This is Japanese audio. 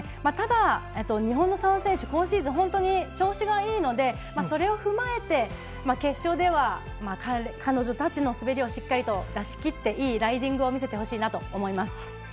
ただ、日本の３選手今シーズン本当に調子がいいのでそれを踏まえて決勝では、彼女たちの滑りをしっかりと出し切っていいライディングを見せてほしいと思います。